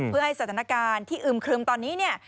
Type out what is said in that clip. เพื่อให้สถานการณ์ที่อึมครึมตอนนี้เนี่ย